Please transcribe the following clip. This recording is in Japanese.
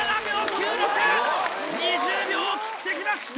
２０秒を切ってきました！